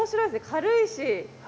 軽いし。